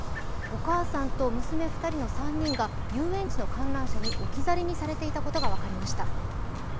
お母さんと娘２人の３人が遊園地の観覧車に置き去りにされていたことが分かりました。